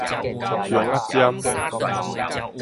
香仔針